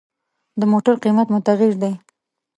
د موټر قیمت متغیر دی.